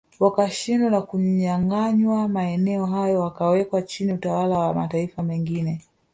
Wakashindwa na kunyanganywa maeneo hayo yakawekwa chini utawala wa mataifa mengine